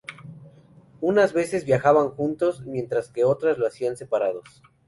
Unas veces viajaban juntos, mientras que otras lo hacían separados.